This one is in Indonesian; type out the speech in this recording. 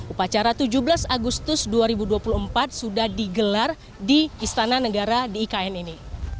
upacara tujuh belas agustus dua ribu dua puluh empat sudah digelar di istana negara di ikn ini